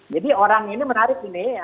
jadi orang ini menarik ini